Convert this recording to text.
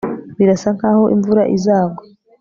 birasa nkaho imvura izagwa